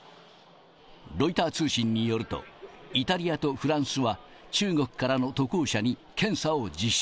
ロイター通信によると、イタリアとフランスは中国からの渡航者に検査を実施。